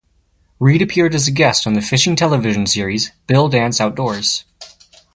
Reed appeared as a guest on the fishing television series "Bill Dance Outdoors".